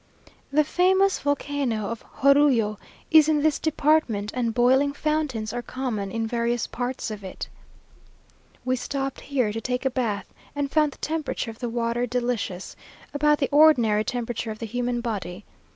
The famous volcano of Jorullo is in this department, and boiling fountains are common in various parts of it. We stopped here to take a bath, and found the temperature of the water delicious, about the ordinary temperature of the human body.